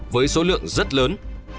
với số lượng rất lớn